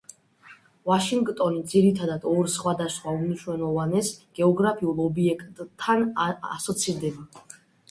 ვაშინგტონი ძირითადად ორ სხვადასხვა უმნიშვნელოვანეს გეოგრაფიულ ობიექტთან ასოცირდება